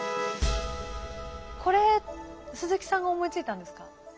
これ鈴木さんが思いついたんですか？